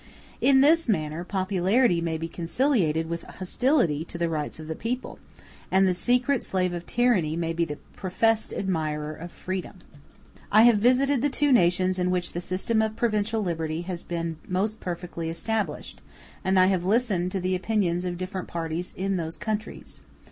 *v In this manner popularity may be conciliated with hostility to the rights of the people, and the secret slave of tyranny may be the professed admirer of freedom. v [ See Appendix K.] I have visited the two nations in which the system of provincial liberty has been most perfectly established, and I have listened to the opinions of different parties in those countries.